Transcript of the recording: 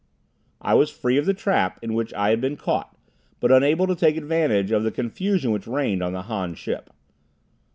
I was free of the trap in which I had been caught, but unable to take advantage of the confusion which reigned on the Han ship.